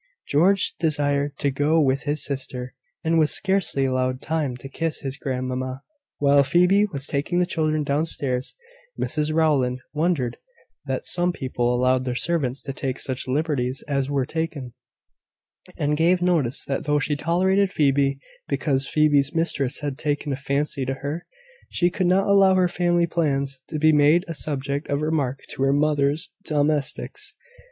George was desired to go with his sister, and was scarcely allowed time to kiss his grandmamma. While Phoebe was taking the children down stairs, Mrs Rowland wondered that some people allowed their servants to take such liberties as were taken; and gave notice that though she tolerated Phoebe, because Phoebe's mistress had taken a fancy to her, she could not allow her family plans to be made a subject of remark to her mother's domestics.